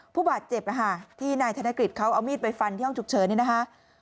ผู้บาดเจ็บที่นายธนกฤษเขาเอามีดไปฟันที่ห้องฉุกเฉินนี่นะคะ